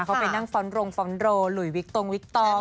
เขาไปนั่งฟ้อนรงฟ้อนโรหลุยวิกตรงวิกตอง